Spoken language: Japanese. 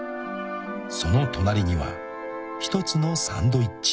［その隣には一つのサンドイッチ］